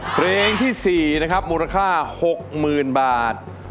เพลงที่๔นะครับมูลค่า๖๐๐๐บาท